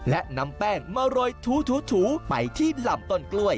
และนำแป้งมาโรยถูไปที่ลำต้นกล้วย